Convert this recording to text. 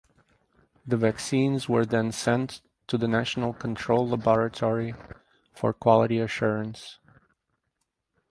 The vaccines were then sent to the National Control Laboratory for quality assurance.